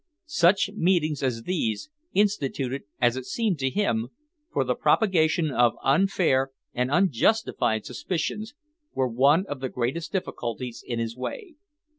Such meetings as these, instituted, as it seemed to him, for the propagation of unfair and unjustified suspicions, were one of the greatest difficulties in his way.